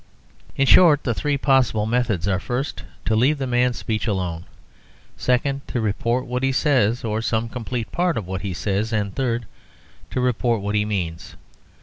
In short, the three possible methods are, first, to leave the man's speech alone; second, to report what he says or some complete part of what he says; and third, to report what he means.